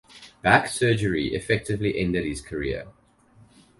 Back surgery effectively ended his career.